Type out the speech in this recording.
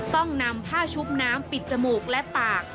ต้องนำผ้าชุบน้ำปิดจมูกและปาก